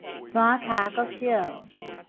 山仔跤國小